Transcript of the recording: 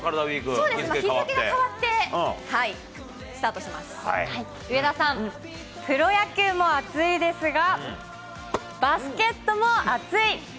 そうです、日付が変わって、上田さん、プロ野球も熱いですが、バスケットも熱い。